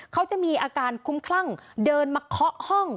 เขาจะมีอาการคุ้มคลั่งเดินมาเคาะห้อง